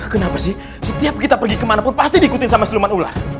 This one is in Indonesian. kenapa sih setiap kita pergi kemana pun pasti diikutin sama sulman ular